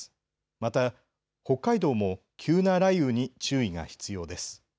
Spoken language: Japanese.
また、北海道も急な雷雨に注意が必要です。